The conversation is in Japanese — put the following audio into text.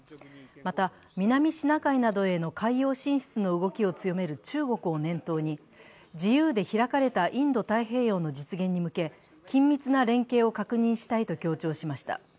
また南シナ海などへの海洋進出の動きを強める中国を念頭に、自由で開かれたインド太平洋の実現に向け、緊密な連携を確認したいと強調しました。